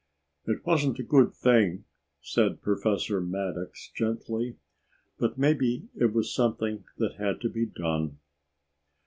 "It wasn't a good thing," said Professor Maddox gently, "but maybe it was something that had to be done."